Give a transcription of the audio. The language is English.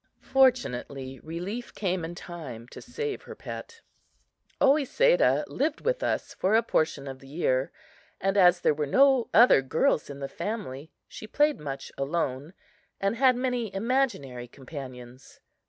Fortunately, relief came in time to save her pet. Oesedah lived with us for a portion of the year, and as there were no other girls in the family she played much alone, and had many imaginary companions.